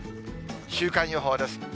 週間予報です。